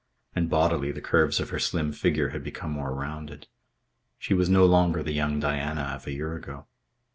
And bodily, the curves of her slim figure had become more rounded. She was no longer the young Diana of a year ago.